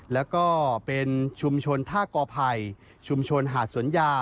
และเป็นชุมชนทหปกชุมชนหาดสุญญา